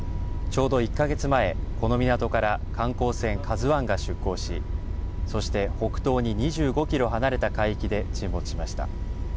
ちょうど１か月前、この港から観光船、ＫＡＺＵＩが出航しそして北東に２５キロ離れた海域で沈没しました。